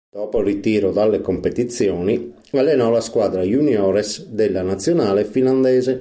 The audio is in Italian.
Dopo il ritiro dalle competizioni allenò la squadra juniores della nazionale finlandese.